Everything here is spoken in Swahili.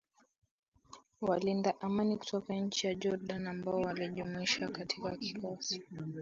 walinda amani kutoka nchi ya Jordan ambao walijumuishwa katika kikosi